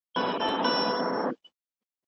ایا تکړه پلورونکي خندان پسته صادروي؟